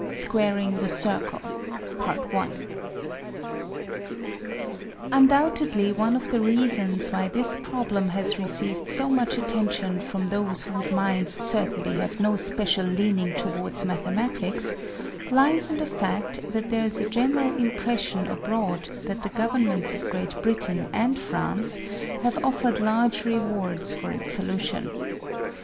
SQUARING THE CIRCLE NDOUBTEDLY one of the reasons why this problem has received so much attention from those whose minds certainly have no special lean ing towards mathematics, lies in the fact that there is a general impression abroad that the governments of Great Britain and France have offered large rewards for its solution.